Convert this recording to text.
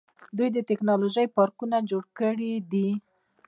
دوی د ټیکنالوژۍ پارکونه جوړ کړي دي.